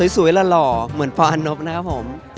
สวยและหล่อเหมือนพ่ออันนบนะครับผม